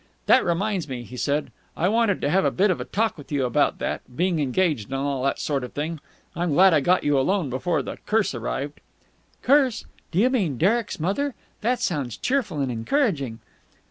"That reminds me," he said. "I wanted to have a bit of a talk with you about that being engaged and all that sort of thing. I'm glad I got you alone before the Curse arrived." "Curse? Do you mean Derek's mother? That sounds cheerful and encouraging."